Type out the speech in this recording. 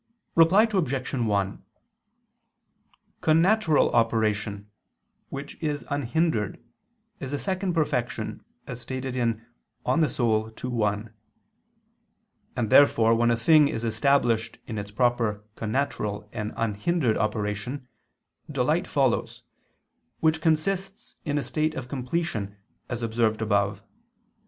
Reply Obj. 1: Connatural operation, which is unhindered, is a second perfection, as stated in De Anima ii, 1: and therefore when a thing is established in its proper connatural and unhindered operation, delight follows, which consists in a state of completion, as observed above.